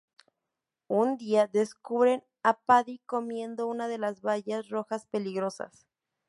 Un día, descubren a Paddy comiendo una de las bayas rojas peligrosas.